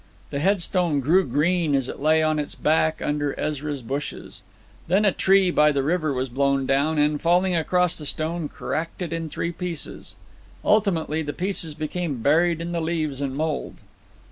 The headstone grew green as it lay on its back under Ezra's bushes; then a tree by the river was blown down, and, falling across the stone, cracked it in three pieces. Ultimately the pieces became buried in the leaves and mould.